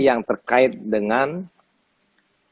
yang terkait dengan how about the